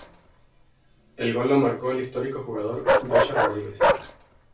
El gol lo marco el histórico jugador "Bocha Rodriguez".